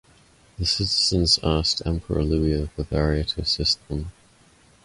The citizens asked Emperor Louis of Bavaria to assist them.